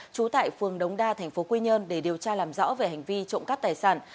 trú tại phường đống đa thành phố quy nhơn để điều tra làm rõ về hành vi trộm cắp tài sản